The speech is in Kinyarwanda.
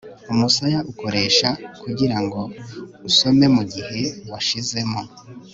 umusaya ukoresha kugirango usome mugihe wanshizemo